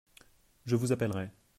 Je vous appellerai.